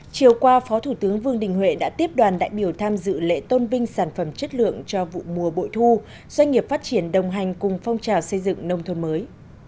chiều qua phó thủ tướng vương đình huệ đã tiếp đoàn đại biểu tham dự lễ tôn vinh sản phẩm chất lượng cho vụ mùa bội thu doanh nghiệp phát triển đồng hành cùng phong trào xây dựng nông thôn mới